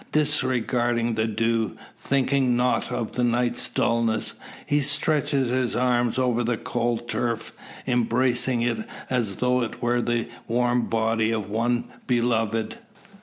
Disregarding the dew, thinking nought of the night's dullness, he stretches his arms over the cold turf, embracing it as though it were the warm body of one beloved!